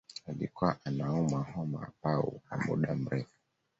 alikuwa anaumwa homa ya pau kwa muda mrefu